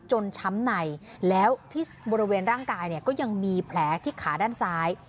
ช้ำในแล้วที่บริเวณร่างกายเนี่ยก็ยังมีแผลที่ขาด้านซ้าย